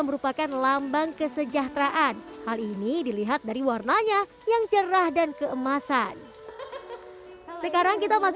merupakan lambang kesejahteraan hal ini dilihat dari warnanya yang cerah dan keemasan sekarang kita masih